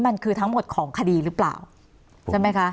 มันคือทั้งหมดของคดีหรือเปล่าใช่ไหมคะ